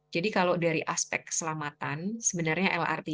jadi kalau dari aspek keselamatan sebenarnya lrt